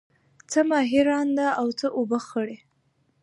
څه ماهی ړانده او څه اوبه خړی.